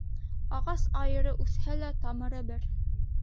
Ағас айыры үҫһә лә, тамыры бер.